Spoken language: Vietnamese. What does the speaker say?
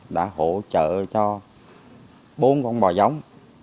đã hỗ trợ cho bốn con bò giống